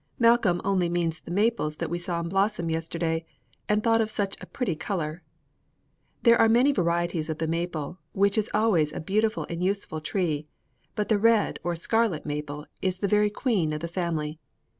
Malcolm only means the maples that we saw in blossom yesterday and thought of such a pretty color. There are many varieties of the maple, which is always a beautiful and useful tree, but the red, or scarlet, maple is the very queen of the family.